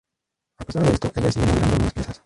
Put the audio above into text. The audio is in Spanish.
A pesar de esto, ella sigue modelando algunas piezas.